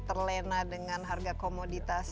terlena dengan harga komoditas